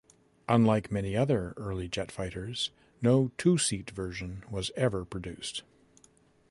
Unlike many other early jet fighters, no two-seat version was ever produced.